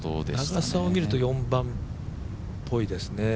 長さを見ると４番っぽいですね。